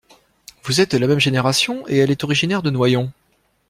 Vous êtes de la même génération et elle est originaire de Noyon